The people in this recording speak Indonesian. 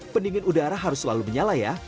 pendingin udara harus selalu menyala ya